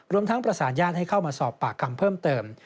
ทั้งประสานญาติให้เข้ามาสอบปากคำเพิ่มเติม